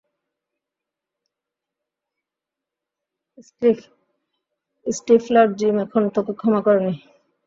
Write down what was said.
Stifler, Jim এখনে তোকে ক্ষমা করে নি।